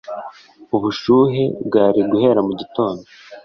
Ubushuhe bwari guhera mu gitondo